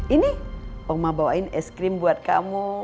ini oma bawain es krim buat kamu